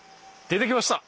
出てきました。